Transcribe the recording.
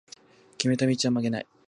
決めた道は曲げない